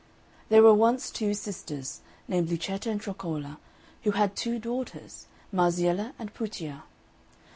There were once two sisters, named Luceta and Troccola, who had two daughters, Marziella and Puccia.